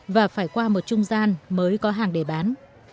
và phải qua một trung gian mới có hàng để bán